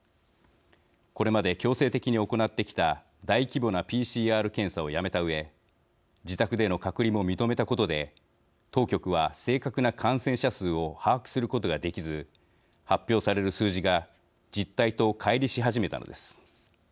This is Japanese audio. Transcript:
これまで強制的に行ってきた大規模なＰＣＲ検査をやめたうえ自宅での隔離も認めたことで当局は正確な感染者数を把握することができず発表される数字が実態と、かい離し始めたのです。